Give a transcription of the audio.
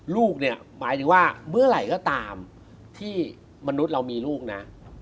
ลูกเนี่ยหมายถึงว่าเมื่อไหร่ก็ตามที่มนุษย์เรามีลูกนะ